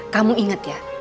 kamu inget ya